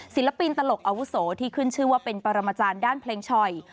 ศิลปินตลกอาวุโสที่ขึ้นชื่อว่าเป็นปรมาจารย์ด้านเพลงช่อย